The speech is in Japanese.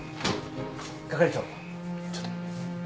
係長ちょっと。